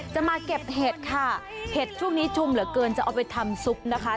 มาเก็บเห็ดค่ะเห็ดช่วงนี้ชุมเหลือเกินจะเอาไปทำซุปนะคะ